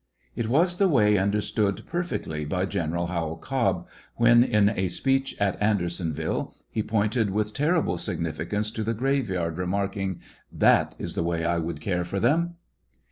It was the way understood perfectly by General Howell Cobb, when, in a speech at AndersonviUe, he pointed with terrible significance to the grave yard, remarking :" That is the way I would care for them."